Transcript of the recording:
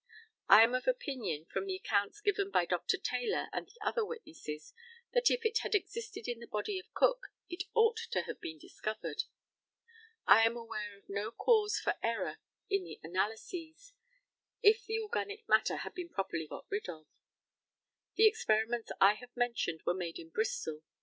I am of opinion from the accounts given by Dr. Taylor and the other witnesses, that if it had existed in the body of Cook it ought to have been discovered. I am aware of no cause for error in the analyses, if the organic matter had been properly got rid of. The experiments I have mentioned were made in Bristol.